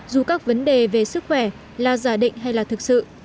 dù các vấn đề về sức khỏe là giả định hay là thực sự